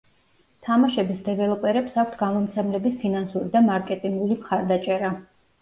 თამაშების დეველოპერებს აქვთ გამომცემლების ფინანსური და მარკეტინგული მხარდაჭერა.